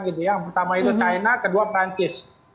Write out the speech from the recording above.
yang pertama itu china kedua perancis